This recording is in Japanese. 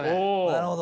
なるほど！